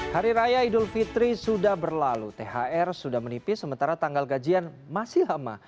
hari raya idul fitri sudah berlalu thr sudah menipis sementara tanggal gajian masih lama